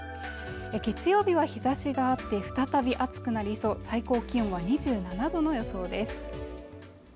月曜日は日差しがあって再び暑くなりそう最高気温は２７度の予想です